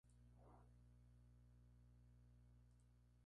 En torneos de Grand Slam no pudo superar nunca la tercera ronda.